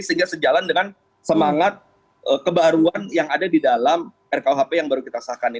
sehingga sejalan dengan semangat kebaruan yang ada di dalam rkuhp yang baru kita sahkan ini